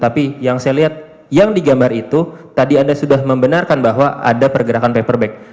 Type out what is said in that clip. tapi yang saya lihat yang digambar itu tadi anda sudah membenarkan bahwa ada pergerakan paperback